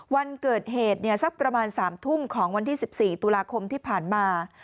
วันเกิดเหตุสักประมาณ๓ทุ่มของวันที่๑๔ตุลาคมที่ผ่านมา